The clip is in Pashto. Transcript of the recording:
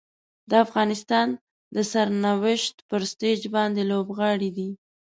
د افغانستان د سرنوشت پر سټیج باندې لوبغاړي دي.